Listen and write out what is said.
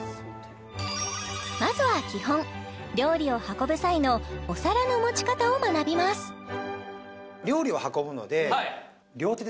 まずは基本料理を運ぶ際のお皿の持ち方を学びます出た！